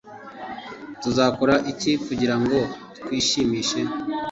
tuzakora iki kugirango twishimishe